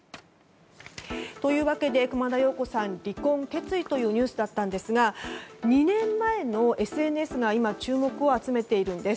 というわけで、熊田曜子さん離婚決意というニュースだったんですが２年前のＳＮＳが今、注目を集めています。